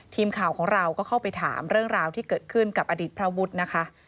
ทีมข่าวของเราก็เข้าไปถามเรื่องราวที่เกิดขึ้นกับอดีตพระวุฒินะคะ